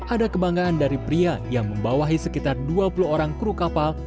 ada kebanggaan dari pria yang membawahi sekitar dua puluh orang kru kapal